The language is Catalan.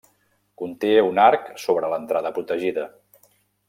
Conté un arc sobre l'entrada protegida.